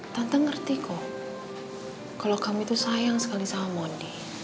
tante ngerti kok kalau kamu sayang sekali sama mondi